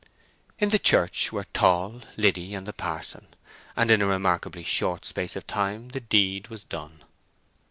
In the church were Tall, Liddy, and the parson, and in a remarkably short space of time the deed was done.